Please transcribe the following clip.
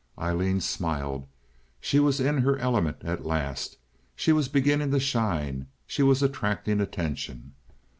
Aileen smiled. She was in her element at last. She was beginning to shine. She was attracting attention.